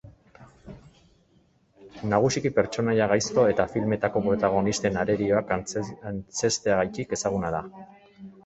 Nagusiki pertsonaia gaizto eta filmetako protagonisten arerioak antzezteagatik ezaguna da.